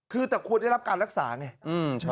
คือแต่ควรได้รับการรักษาไง